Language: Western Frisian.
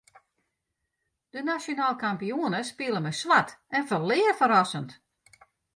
De nasjonaal kampioene spile mei swart en ferlear ferrassend.